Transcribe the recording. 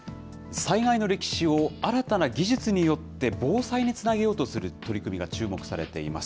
災害の歴史を新たな技術によって防災につなげようとする取り組みが注目されています。